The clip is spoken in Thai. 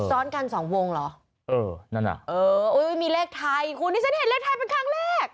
ซ้อนกันสองวงเหรอเออนั่นอ่ะเอออุ้ยมีเลขไทยคุณที่ฉันเห็นเลขไทยเป็นครั้งแรก